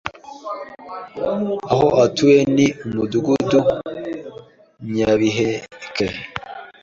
aho atuye ni umudugudu nyabiheke